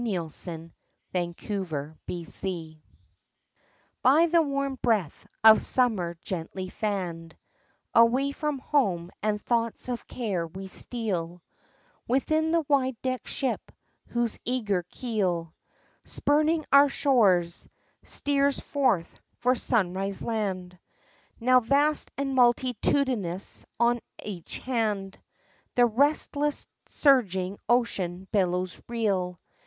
XVIII SUNRISE LAND BY the warm breath of Summer gently fanned, Away from home and thoughts of care we steal Within the wide decked ship, whose eager keel Spurning our shores, steers forth for " Sunrise Land." Now vast and multitudinous on each hand The restless surging ocean billows reel.